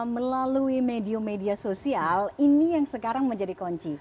melalui media media sosial ini yang sekarang menjadi kunci